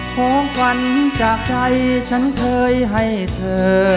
ของขวัญจากใจฉันเคยให้เธอ